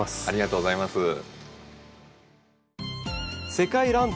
ありがとうございます。